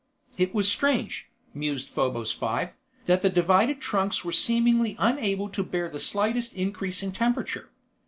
It was strange, mused Probos Five, that the divided trunks were seemingly unable to bear the slightest increase in temperature.